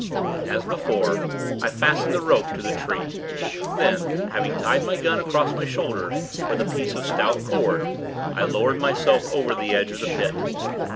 As before, I fastened the rope to the tree. Then, having tied my gun across my shoulders, with a piece of stout cord, I lowered myself over the edge of the Pit.